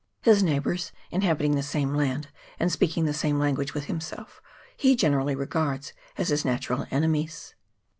His neigh bours, inhabiting the same land and speaking the same language with himself, he generally regards as his natural enemies.